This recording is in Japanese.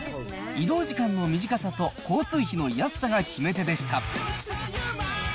移動時間の短さと、交通費の安さが決め手でした。